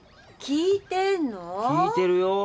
聞いてるよ。